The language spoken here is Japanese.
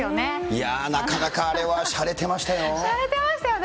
いやー、なかなかあれはしゃしゃれてましたよね。